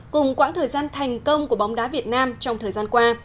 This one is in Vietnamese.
cùng quãng thời gian thành công của bóng đá việt nam trong thời gian qua